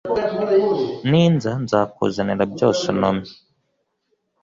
Ninza nzakuzanira byose untumye